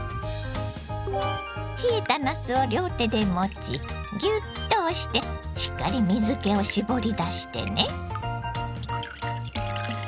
冷えたなすを両手で持ちギュッと押してしっかり水けを絞り出してね。